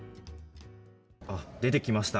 あ、出てきました。